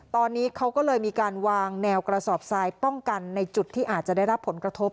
ตอนนี้เขาก็เลยมีการวางแนวกระสอบทรายป้องกันในจุดที่อาจจะได้รับผลกระทบ